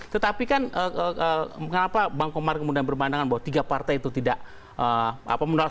tetapi kan kenapa bang komar kemudian berpandangan bahwa tiga partai itu tidak menular